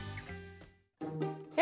え！